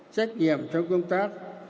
trách nhiệm trong công tác